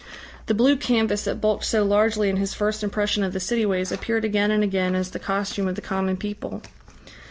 The blue canvas that bulked so largely in his first impression of the city ways appeared again and again as the costume of the common people.